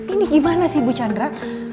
ini gimana sih bu chandra